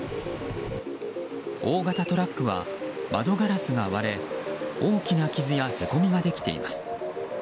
大型トラックは窓ガラスが割れ大きな傷やへこみができています。